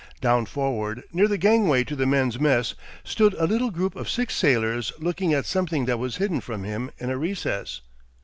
Down forward, near the gangway to the men's mess, stood a little group of air sailors looking at something that was hidden from him in a recess.